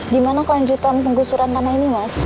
dimana kelanjutan penggusuran tanah ini mas